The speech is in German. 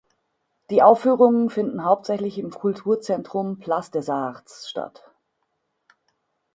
Die Aufführungen finden hauptsächlich im Kulturzentrum Place des Arts statt.